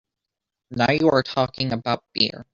Now you are talking about beer!